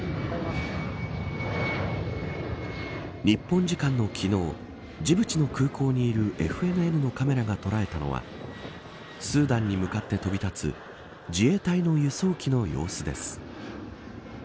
日本時間の昨日ジブチの空港にいるＦＮＮのカメラが捉えたのはスーダンに向かって飛び立つ自衛隊の輸送機の様子です。